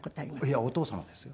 いやお父様ですよ。